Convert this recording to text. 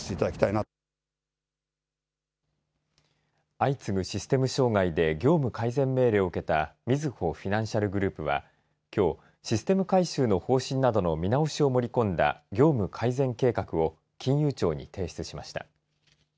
相次ぐシステム障害で業務改善命令を受けたみずほフィナンシャルグループはきょうシステム改修の方針などの見直しを盛り込んだ業務改善計画を金融庁に提出しました。